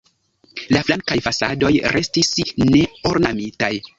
La flankaj fasadoj restis neornamitaj.